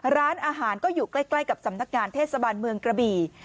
ร้านอาหารก็อยู่ใกล้กับสำนักงานเทศบาลเมืองกระบี่